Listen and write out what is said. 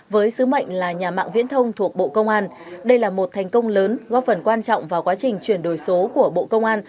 với sứ mệnh là nhà mạng viễn thông thuộc bộ công an đây là một thành công lớn góp phần quan trọng vào quá trình chuyển đổi số của bộ công an